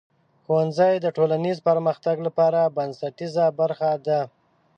ښوونځی د ټولنیز پرمختګ لپاره بنسټیزه برخه ده.